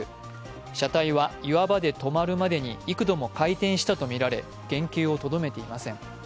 車体は岩場で止まるまでに幾度も回転したとみられ原型をとどめていません。